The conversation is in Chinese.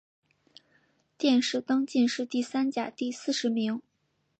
殿试登进士第三甲第四十名。